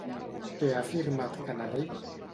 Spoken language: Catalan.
Què ha afirmat Canadell?